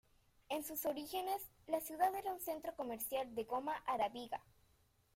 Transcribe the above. En sus orígenes la ciudad era un centro comercial de goma arábiga.